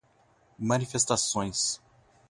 manifestações